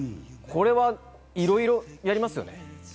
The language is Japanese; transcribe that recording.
これは、いろいろやりますよね。